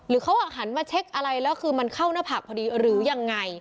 เขาหันมาเช็คอะไรแล้วคือมันเข้าหน้าผากพอดีหรือยังไง